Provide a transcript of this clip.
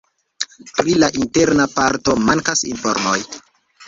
Pri la interna parto mankas informoj.